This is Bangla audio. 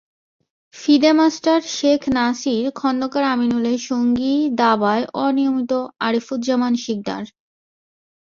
ফিদে মাস্টার শেখ নাসির, খন্দকার আমিনুলের সঙ্গী দাবায় অনিয়মিত আরিফুজ্জামান শিকদার।